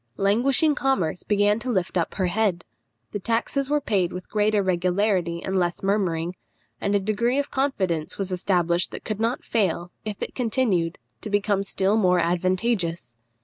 Languishing commerce began to lift up her head; the taxes were paid with greater regularity and less murmuring; and a degree of confidence was established that could not fail, if it continued, to become still more advantageous.